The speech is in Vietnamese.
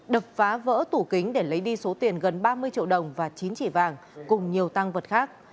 đập phá vỡ tủ kính để lấy đi số tiền gần ba mươi triệu đồng và chín chỉ vàng cùng nhiều tăng vật khác